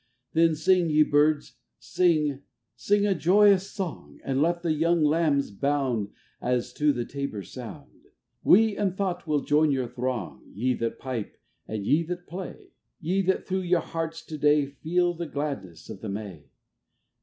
443 Then sing, ye Birds, sing, sing a joyous song ! And let the young Lambs bound As to the tabor's sound ! We in thought will join your throng, Ye that pipe and ye that play, Ye that through your hearts to day Feel the gladness of the May